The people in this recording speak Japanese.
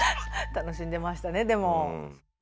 楽しんでましたねでも。